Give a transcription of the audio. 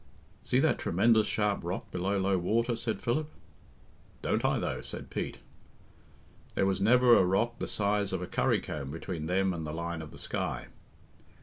"See that tremendous sharp rock below low water?" said Philip. "Don't I, though?" said Pete. There was never a rock the size of a currycomb between them and the line of the sky.